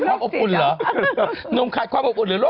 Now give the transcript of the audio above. หาความอบคุ้นหรือ